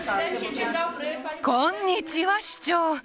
こんにちは、市長！